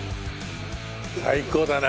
最高だな。